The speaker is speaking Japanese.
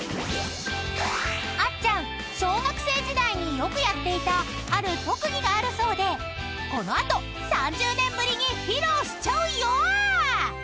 ［あっちゃん小学生時代によくやっていたある特技があるそうでこの後３０年ぶりに披露しちゃうよ！］